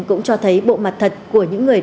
cũng cho thấy bộ mặt thật của những người